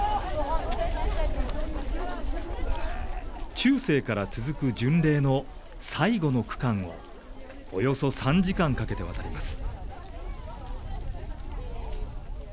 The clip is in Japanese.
中世から続く巡礼の最後の区間を、およそ３時間かけて渡ります。